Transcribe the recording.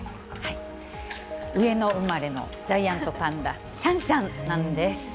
上野生まれのジャイアントパンダ、シャンシャンなんです。